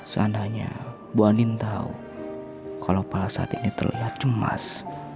seandainya bu andin tahu kalau pak saat ini terlihat cemas